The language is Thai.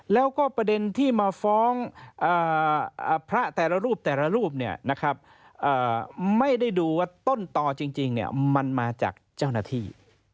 แล้วก็ประเด็นที่มาฟ้องพระแต่ละรูปแต่ละรูปไม่ได้ดูว่าต้นต่อจริงมันมาจากเจ้าหน้าที่